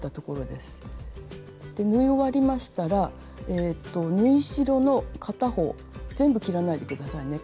で縫い終わりましたら縫い代の片方全部切らないで下さいね。